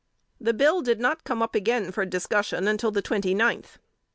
The bill did not come up again for discussion until the twenty ninth.